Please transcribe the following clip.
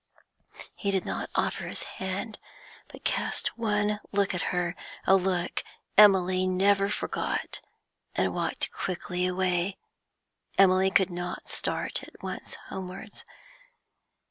He did not offer his hand, but cast one look at her, a look Emily never forgot, and walked quickly away. Emily could not start at once homewards.